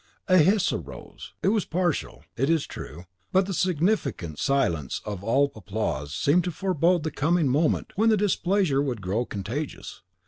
A hiss arose; it was partial, it is true, but the significant silence of all applause seemed to forebode the coming moment when the displeasure would grow contagious.